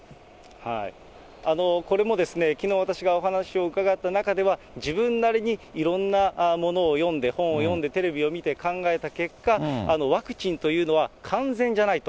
これも、きのう、私がお話を伺った中では、自分なりにいろんなものを読んで、本を読んで、テレビを見て考えた結果、ワクチンというのは完全じゃないと。